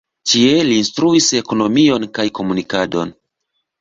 Tie li instruis ekonomion kaj komunikadon.